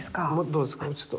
どうですこれちょっと。